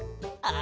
あ！